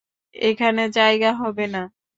এখানে জায়গা হবে না।